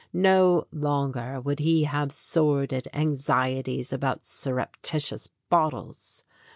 No longer would he have sordid anxieties about surreptitious bottles.